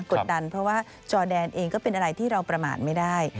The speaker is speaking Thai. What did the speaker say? กดดันเพราะว่าจอแดนเองก็เป็นอะไรที่เราประมาทไม่ได้